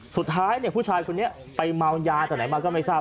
สุดท้ายผู้ชายคนนี้ไปเมายาจากไหนมาก็ไม่ทราบ